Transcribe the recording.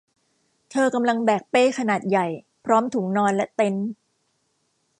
เธอกำลังแบกเป้ขนาดใหญ่พร้อมถุงนอนและเต็นท์